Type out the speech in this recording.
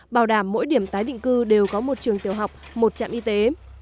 bảo đảm mỗi điểm tái định cư đều có một trường tiểu học một trạm y tế